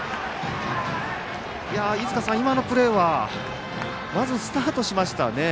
飯塚さん、今のプレーはまず、スタートしましたね。